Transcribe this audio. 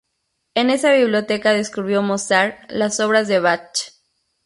En esa biblioteca descubrió Mozart las obras de Bach.